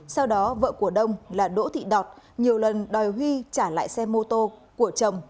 sau đó vợ của đông là đỗ thị đọt nhiều lần đòi huy trả lại xe mô tô của chồng